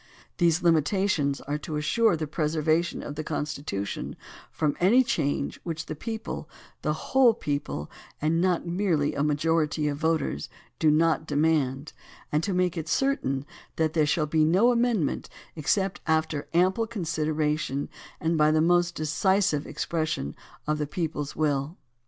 These limitations are to assure the preservation of the Constitution from any change which the people — the whole people and not merely a majority of voters — do not demand, and to make it certain that there shall be no amendment except after ample consideration and by the most 104 COMPULSORY INITIATIVE AND REFERENDUM decisive expression of the people's will.